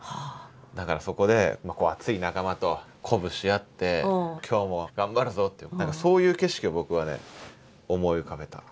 だからそこで熱い仲間と鼓舞し合って今日も頑張るぞっていう何かそういう景色を僕はね思い浮かべた。